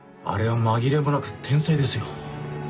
あれは紛れもなく天才ですよ。